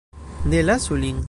Nu, lasu lin.